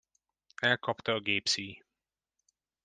Elkapta a gépszíj.